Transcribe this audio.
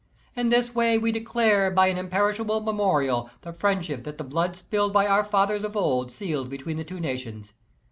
In this way we declare by an imperishable memorial the friendship that the blood spilled by our fathers of old sealed between the two nations.